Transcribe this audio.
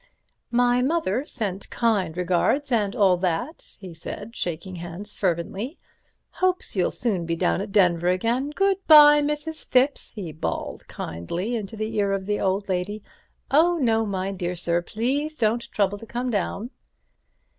"My mother sent kind regards and all that," he said, shaking hands fervently; "hopes you'll soon be down at Denver again. Good bye, Mrs. Thipps," he bawled kindly into the ear of the old lady. "Oh, no, my dear sir, please don't trouble to come down."